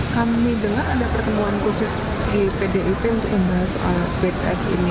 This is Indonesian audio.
kami dengar ada pertemuan khusus di pdip untuk membahas soal pks ini